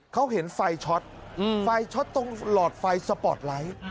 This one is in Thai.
เขาเห็นไฟช็อตไฟช็อตตรงหลอดไฟสปอร์ตไลท์